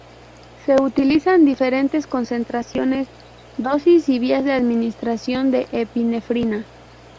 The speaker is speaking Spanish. Se utilizan diferentes concentraciones, dosis y vías de administración de epinefrina.